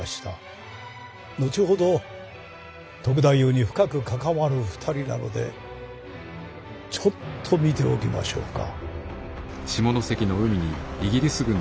後ほど篤太夫に深く関わる２人なのでちょっと見ておきましょうか。